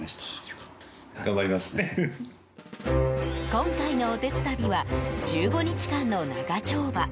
今回の、おてつたびは１５日間の長丁場。